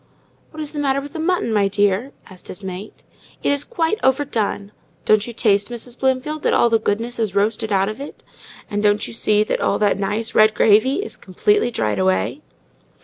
"What is the matter with the mutton, my dear?" asked his mate. "It is quite overdone. Don't you taste, Mrs. Bloomfield, that all the goodness is roasted out of it? And can't you see that all that nice, red gravy is completely dried away?"